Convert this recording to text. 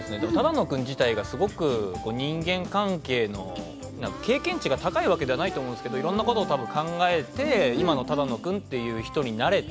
只野君自体がすごく人間関係の経験値が高いわけではないと思うんだけれど、いろんなことを考えて、今の只野君という人になりました。